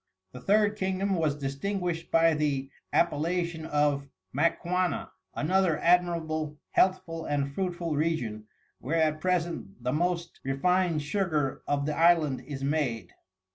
The Third Kingdom was distinguished by the Appellation of Maquana, another admirable, healthful and fruitful Region, where at present the most refined sugar of the Island is made.